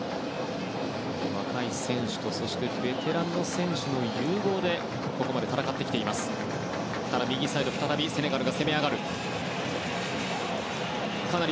若い選手とベテランの選手の融合でここまで戦ってきていますエクアドル。